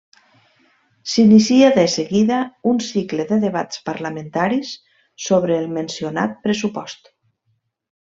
S'inicia de seguida un cicle de debats parlamentaris sobre el mencionat pressupost.